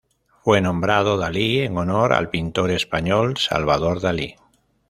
Fue nombrado Dali en honor al pintor español Salvador Dalí.